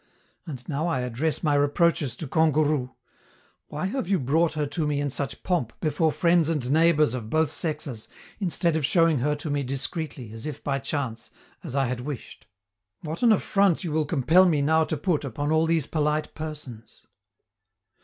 And now I address my reproaches to Kangourou: "Why have you brought her to me in such pomp, before friends and neighbors of both sexes, instead of showing her to me discreetly, as if by chance, as I had wished? What an affront you will compel me now to put upon all these polite persons!"